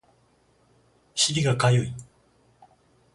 尻がかゆい